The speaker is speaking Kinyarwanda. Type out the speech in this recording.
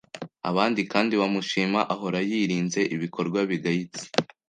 abandi kandi bamushima ahora yirinze ibikorwa bigayitse